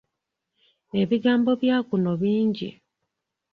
Ebigambo bya kuno bingi.